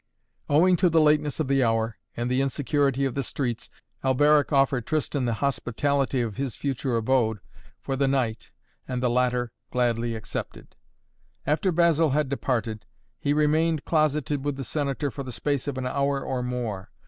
Owing to the lateness of the hour and the insecurity of the streets Alberic offered Tristan the hospitality of his future abode for the night and the latter gladly accepted. After Basil had departed, he remained closeted with the Senator for the space of an hour or more.